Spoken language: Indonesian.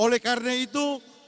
oleh karena itu